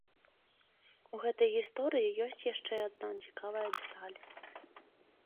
У гэтай гісторыі ёсць яшчэ адна цікавая дэталь.